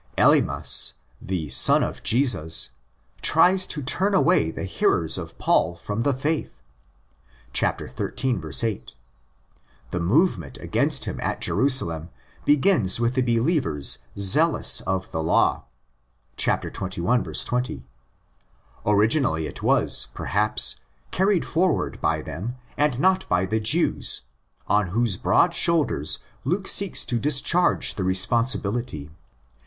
Elymas, the 'son of Jesus," tries to turn away the hearers of Paul 'from the faith" (ἀπὸ τῆς πίστεως, xiii. 8). The movement against him at Jerusalem begins with the believers '' zealous of the law" (xxi. 20). Originally it was, perhaps, carried forward by them and not by '"'the Jews,' on whose broad shoulders Luke seeks to discharge the responsibility.